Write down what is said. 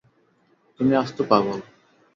তুমি আস্ত পাগল।